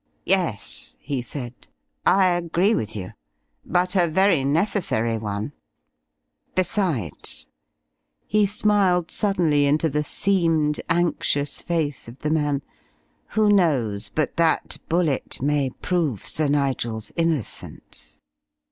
"Yes," he said, "I agree with you. But a very necessary one. Besides" he smiled suddenly into the seamed, anxious face of the man "who knows but that bullet may prove Sir Nigel's innocence?